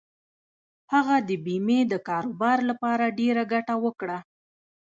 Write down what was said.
هغه د بېمې د کاروبار له لارې ډېره ګټه وکړه.